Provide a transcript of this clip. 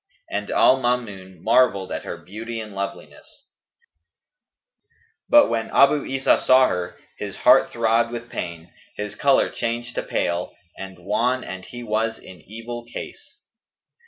And Al Maamun marvelled at her beauty and loveliness; but, when Abu Isa saw her, his heart throbbed with pain, his colour changed to pale and wan and he was in evil case.